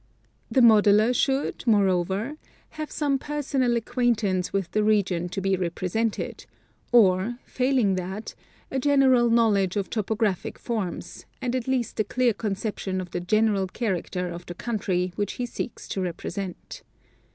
The modeler should, more over, have some personal acquaintance with the region to be represented, or, failing that, a general knowledge of topographic forms, and at least a clear conception of the general character of the country which he seeks to represent.